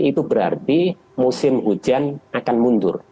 itu berarti musim hujan akan mundur